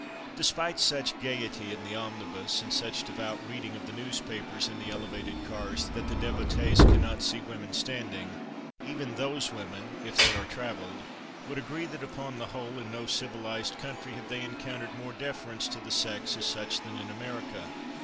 Despite such gayety in the omnibus, and such devout reading of the newspapers in the elevated cars that the devotees cannot see women standing, even those women, if they are travelled, would agree that, upon the whole, in no civilized country have they encountered more deference to the sex as such than in America.